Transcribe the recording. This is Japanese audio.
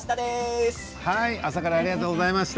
朝からありがとうございました。